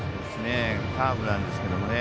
カーブなんですけどもね。